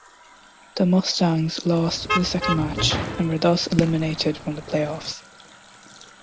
The Mustangs lost the second match and were thus eliminated from the playoffs.